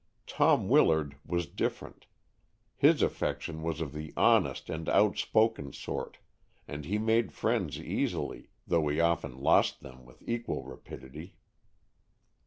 Tom Willard was different. His affection was of the honest and outspoken sort, and he made friends easily, though he often lost them with equal rapidity.